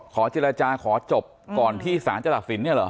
ขอเจรจาขอจบก่อนที่สารจะตัดสินเนี่ยเหรอ